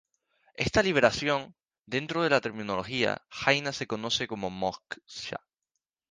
Esta liberación, dentro de la terminología jaina se conoce como moksha.